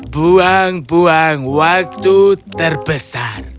buang buang waktu terbesar